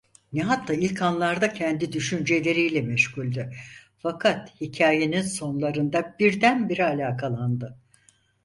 Nihat da ilk anlarda kendi düşünceleriyle meşguldü, fakat hikâyenin sonlarında birdenbire alakalandı.